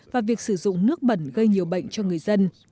và việc sử dụng nước bẩn gây nhiều bệnh cho người dân